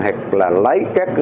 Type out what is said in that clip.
hoặc là lấy các